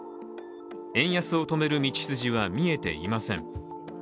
円安を止める道筋は見えていません。